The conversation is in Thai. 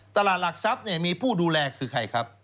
ตลาดหลักทรัพย์มีผู้ดูแลคือใครครับ